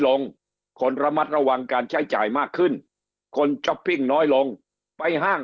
ลงคนระมัดระวังการใช้จ่ายมากขึ้นคนช้อปปิ้งน้อยลงไปห้าง